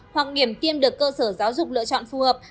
hoặc điểm tiêm được cơ sở giáo dục lựa chọn phù hợp